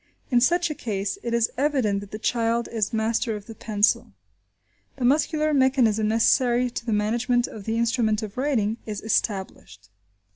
In such a case, it is evident that the child is master of the pencil. The muscular mechanism, necessary to the management of the instrument of writing, is established.